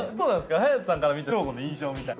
隼さんから見て翔吾の印象みたいな。